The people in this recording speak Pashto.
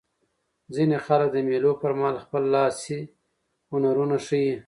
ځیني خلک د مېلو پر مهال خپل لاسي هنرونه ښيي.